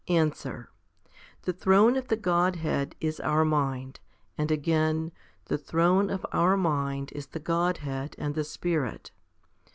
Answer. The throne of the Godhead is our mind, and again, the throne of our mind is the Godhead and the Spirit.